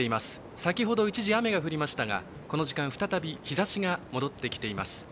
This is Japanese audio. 先ほど、一時、雨が降りましたがこの時間再び日ざしが戻ってきています。